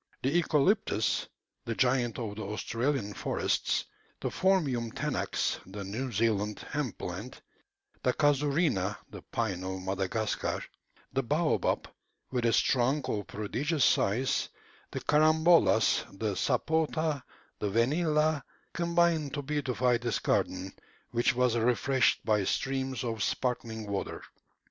The eucalyptus, the giant of the Australian forests, the Phormium tenax, the New Zealand hemp plant, the casuarina (the pine of Madagascar), the baobab, with its trunk of prodigious size, the carambolas, the sapota, the vanilla, combined to beautify this garden, which was refreshed by streams of sparkling water.